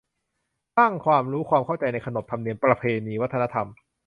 สร้างความรู้ ความเข้าใจในขนบธรรมเนียม ประเพณี วัฒนธรรม